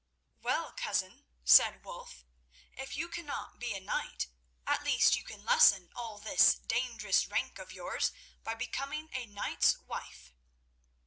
"Well, cousin," said Wulf, "if you cannot be a knight, at least you can lessen all this dangerous rank of yours by becoming a knight's wife."